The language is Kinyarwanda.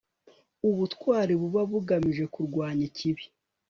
ubutwari buba bugamije kurwanya ikibi